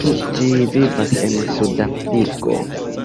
Ĝi vivas en Suda Afriko.